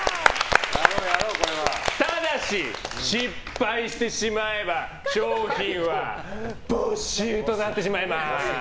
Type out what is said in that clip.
ただし、失敗してしまえば賞品は没収となっていまします。